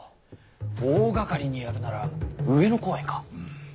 大がかりにやるなら上野公園か。